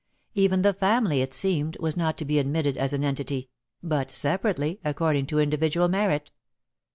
Even the family, it seemed, was not to be admitted as an entity, but separately, according to individual merit.